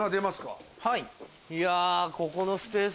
はい。